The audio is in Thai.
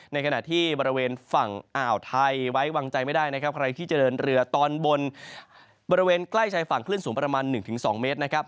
ในขณะที่บริเวณฝั่งอ่าวไทยไว้วางใจไม่ได้นะครับใครที่จะเดินเรือตอนบนบริเวณใกล้ชายฝั่งคลื่นสูงประมาณ๑๒เมตรนะครับ